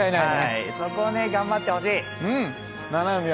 そこを頑張ってほしい。